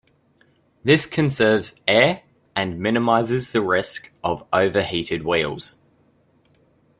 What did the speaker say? This conserves air, and minimizes the risks of over-heated wheels.